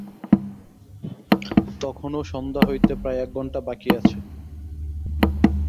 তখনও সন্ধ্যা হইতে প্রায় এক ঘণ্টা বাকী আছে।